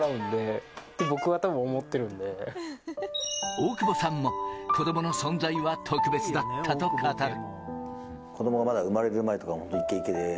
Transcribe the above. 大久保さんも子どもの存在は特別だったと語る。